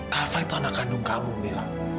kava itu anak kandung kamu mila